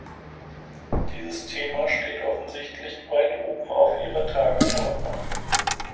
Dieses Thema steht offensichtlich weit oben auf ihrer Tagesordnung.